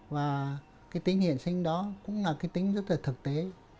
và cái tính hiện sinh đó cũng là cái tính rất là thực tế